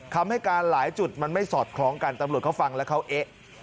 คำให้การหลายจุดมันไม่สอดคล้องกันตำรวจเขาฟังแล้วเขาเอ๊ะ